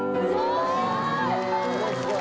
すごい！